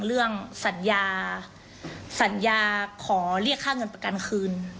เรื่องสัญญาสัญญาขอเรียกค่าเงินประกันคืน